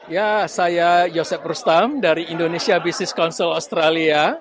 ya saya yosep rustam dari indonesia business council australia